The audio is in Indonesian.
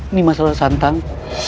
ini masalah santang